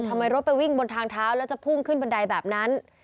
รถไปวิ่งบนทางเท้าแล้วจะพุ่งขึ้นบันไดแบบนั้น